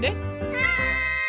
はい！